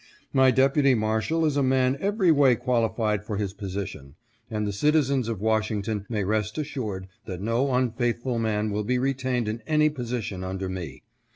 My Deputy Marshal is a man every way qualified for his position, and the citizens of Washington may rest assured that no unfaithful man will be retained in any position under me.